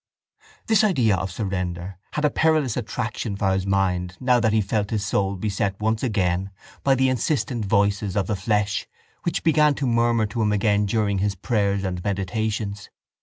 _ This idea of surrender had a perilous attraction for his mind now that he felt his soul beset once again by the insistent voices of the flesh which began to murmur to him again during his prayers and meditations.